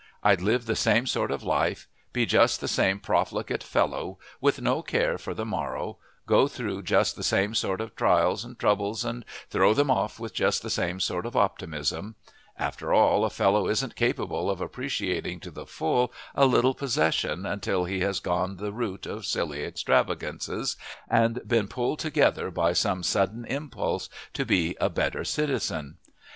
I'd live the same sort of life, be just the same profligate fellow with no care for the morrow, go through just the same sort of trials and troubles and throw them off with just the same sort of optimism. After all, a fellow isn't capable of appreciating to the full a little possession until he has gone the route of silly extravagances and been pulled together by some sudden impulse to be a better citizen.